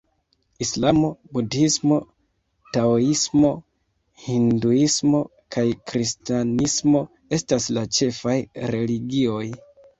Islamo, Budhismo, Taoismo, Hinduismo kaj Kristanismo estas la ĉefaj religioj.